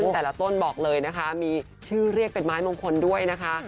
แต่ละต้นบอกเลยนะคะมีชื่อเรียกเป็นไม้มงคลด้วยนะคะ